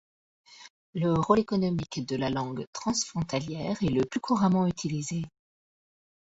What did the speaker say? Le rôle économique de la langue transfrontalière est le plus couramment utilisé.